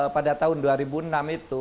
pada tahun dua ribu enam itu